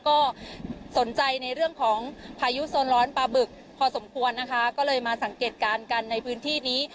ก็สนใจในเรื่องของพายุโซนร้อนปลาบึกพอสมควรนะคะก็เลยมาสังเกตการณ์กันในพื้นที่นี้